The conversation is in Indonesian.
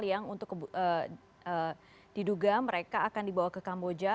yang untuk diduga mereka akan dibawa ke kamboja